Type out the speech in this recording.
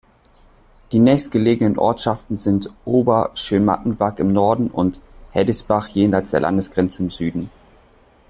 Die nächstgelegenen Ortschaften sind Ober-Schönmattenwag im Norden und Heddesbach jenseits der Landesgrenze im Süden.